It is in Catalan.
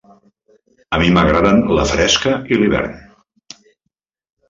A mi m'agraden la fresca i l'hivern.